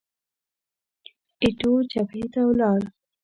ایټور جبهې ته ولاړ.